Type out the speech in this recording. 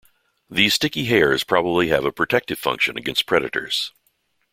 These sticky hairs probably have a protective function against predators.